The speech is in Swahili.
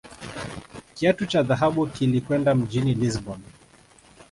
Kiatu cha dhahabu kilikwenda mjini Lisbon